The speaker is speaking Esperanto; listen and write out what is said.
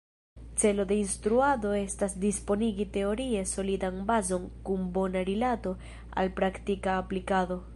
Celo de instruado estas disponigi teorie solidan bazon kun bona rilato al praktika aplikado.